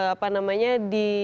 apa namanya di